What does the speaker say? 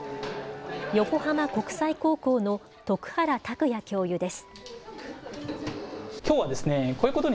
横浜国際高校の徳原拓哉教諭です。